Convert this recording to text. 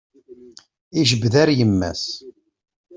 Ijbed ar yemma-s.